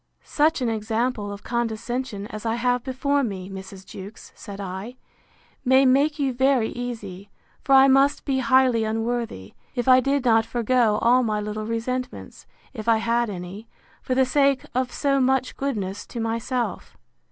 Such an example of condescension, as I have before me, Mrs. Jewkes, said I, may make you very easy; for I must be highly unworthy, if I did not forego all my little resentments, if I had any, for the sake of so much goodness to myself.